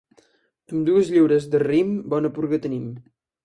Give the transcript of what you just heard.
Amb dues lliures de raïm bona purga tenim.